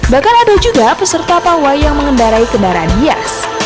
bahkan ada juga peserta pawai yang mengendarai kendaraan hias